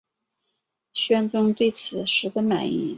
宣宗对此十分满意。